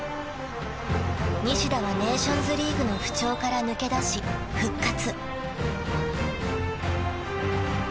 ［西田はネーションズリーグの不調から抜け出し復活］